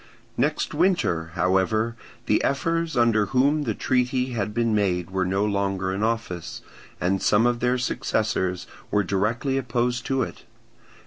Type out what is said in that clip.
Next winter, however, the ephors under whom the treaty had been made were no longer in office, and some of their successors were directly opposed to it.